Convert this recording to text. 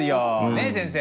ねっ先生。